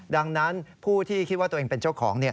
ดังนั้นผู้ที่คิดว่าตัวเองเป็นเจ้าของ